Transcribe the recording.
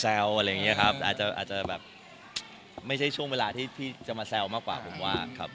อะไรอย่างนี้ครับอาจจะแบบไม่ใช่ช่วงเวลาที่พี่จะมาแซวมากกว่าผมว่าครับ